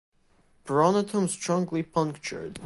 Pronotum strongly punctured.